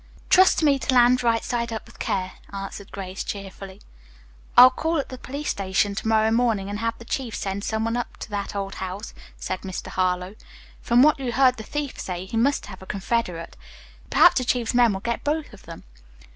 "Trust to me to land right side up with care," answered Grace cheerfully. "I'll call at the police station early to morrow morning and have the chief send some one up to that old house," said Mr. Harlowe. "From what you heard the thief say, he must have a confederate. Perhaps the chief's men will get both of them."